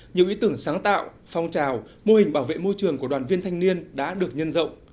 nhiều ý tưởng sáng tạo phong trào mô hình bảo vệ môi trường của đoàn viên thanh niên đã được nhân rộng